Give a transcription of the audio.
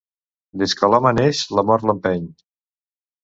Des que l'home neix, la mort l'empeny.